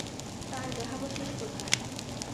তার দেহাবশেষ কোথায়?